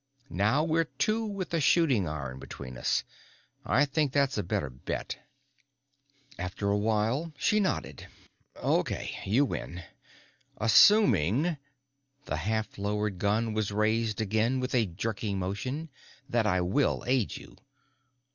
Now we're two with a shooting iron between us. I think that's a better bet." After a while, she nodded. "Okay, you win. Assuming" the half lowered gun was raised again with a jerking motion "that I will aid you.